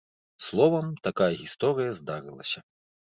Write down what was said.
Словам, такая гісторыя здарылася.